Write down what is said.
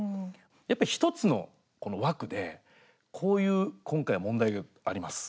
やっぱ１つのこの枠でこういう今回問題があります